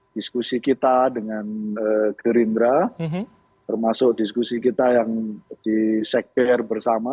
diskusi kita dengan gerindra termasuk diskusi kita yang di sekber bersama